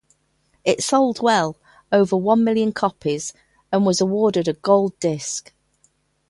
It sold well over one million copies, and was awarded a gold disc.